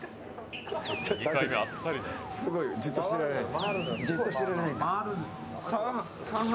すごいよじっとしてられないんだ。